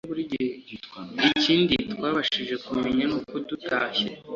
Ikindi twabashije kumenya n'uko dutashye